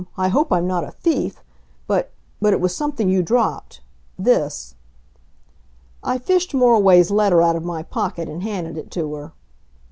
I hope I'm not a thief. But but it was something you dropped this." I fished Moriway's letter out of my pocket and handed it to her.